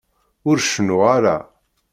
Ur cennuɣ ara.